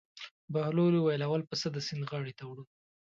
بهلول وویل: اول پسه د سیند غاړې ته وړو.